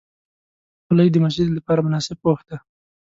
خولۍ د مسجد لپاره مناسب پوښ دی.